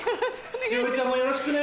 栞里ちゃんもよろしくね。